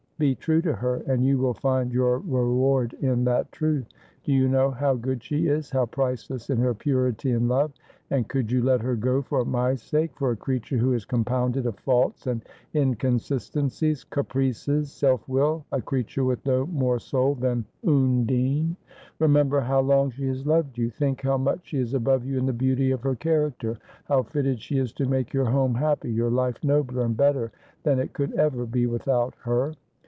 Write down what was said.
Be true to her, and you will find your reward in that truth. Do you know how good she is ; how priceless in her purity and love ; and could you let her go for my sake — for a creature who is compounded of faults and incon sistencies, caprices, self will ; a creature with no more soul than Undine ? Remember how long she has loved you ; think how much she is above you in the beauty of her character ; how fitted she is to make your home happy, your life nobler and better than it could ever be without her.